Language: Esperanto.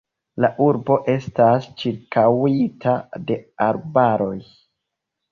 La urbo estas ĉirkaŭita de arbaroj.